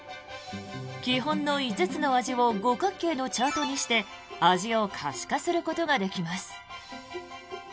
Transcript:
基本の５つの味を五角形のチャートにして味を可視化することができます。